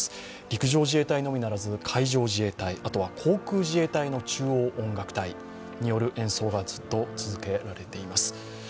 陸上自衛隊のみならず海上自衛隊あとは航空自衛隊の中央演奏隊による演奏がずっと続けられています。